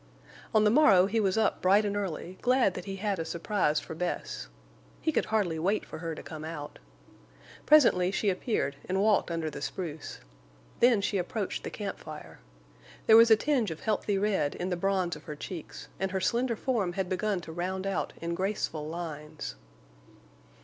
On the morrow he was up bright and early, glad that he had a surprise for Bess. He could hardly wait for her to come out. Presently she appeared and walked under the spruce. Then she approached the camp fire. There was a tinge of healthy red in the bronze of her cheeks, and her slender form had begun to round out in graceful lines.